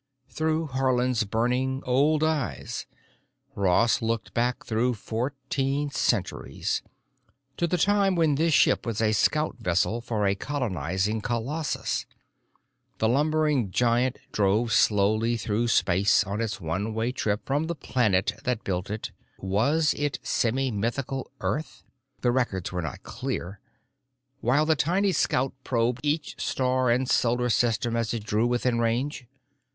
Through Haarland's burning, old eyes, Ross looked back through fourteen centuries, to the time when this ship was a scout vessel for a colonizing colossus. The lumbering giant drove slowly through space on its one way trip from the planet that built it—was it semi mythical Earth? The records were not clear—while the tiny scout probed each star and solar system as it drew within range.